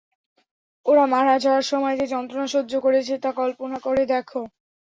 ওরা মারা যাওয়ার সময় যে যন্ত্রণা সহ্য করেছে তা কল্পনা করে দেখ।